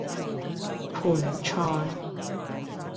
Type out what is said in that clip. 盆菜